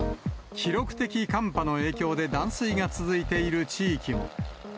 記録的寒波の影響で断水が続いている地域も。